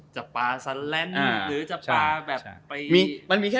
จะปลาสันแลนด์หรือจะปลาแบบไป